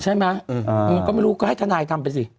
ใช่ไหมก็ไม่รู้ก็ให้ทนายทำไปสิ